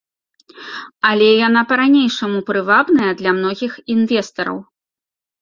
Але яна па-ранейшаму прывабная для многіх інвестараў.